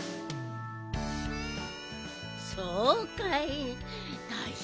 そうかい。